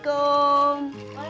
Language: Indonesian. udah disamping bukuan aku